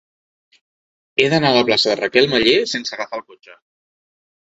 He d'anar a la plaça de Raquel Meller sense agafar el cotxe.